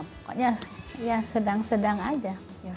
pokoknya ya sedang sedang aja